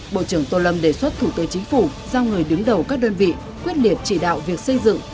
bộ trưởng tô lâm đề xuất thủ tư chính phủ giao người đứng đầu các đơn vị quyết liệt chỉ đạo việc xây dựng